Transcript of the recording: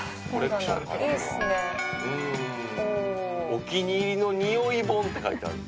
「“お気に入りの匂い本”って書いてある」